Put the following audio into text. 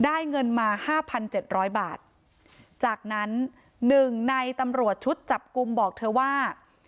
เงินมาห้าพันเจ็ดร้อยบาทจากนั้นหนึ่งในตำรวจชุดจับกลุ่มบอกเธอว่า